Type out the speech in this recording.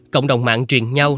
cộng đồng mạng truyền nhau